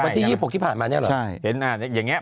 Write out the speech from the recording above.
ที่๒๖ที่ผ่านมันยังเหรอ